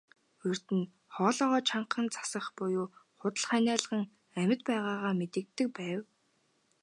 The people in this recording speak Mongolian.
Урьд нь хоолойгоо чангахан засах буюу худал ханиалган амьд байгаагаа мэдэгддэг байв.